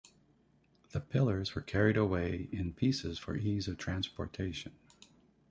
The pillars were carried away in pieces for ease of transportation.